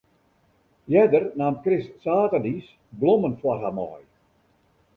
Earder naam Chris saterdeis blommen foar har mei.